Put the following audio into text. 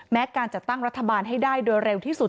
การจัดตั้งรัฐบาลให้ได้โดยเร็วที่สุด